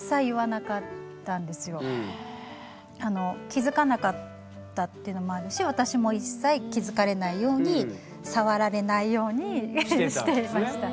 気付かなかったっていうのもあるし私も一切気付かれないように触られないようにしていました。